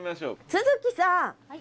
都築さん。